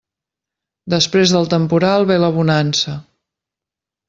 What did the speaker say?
Després del temporal ve la bonança.